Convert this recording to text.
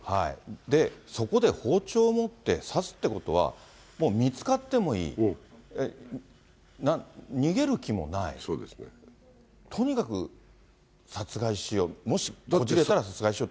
で、そこで包丁を持って刺すってことは、もう見つかってもいい、逃げる気もない、とにかく殺害しよう、殺害しよう。